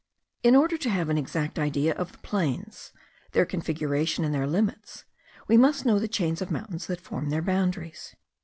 In order to have an exact idea of the plains, their configuration, and their limits, we must know the chains of mountains that form their boundaries.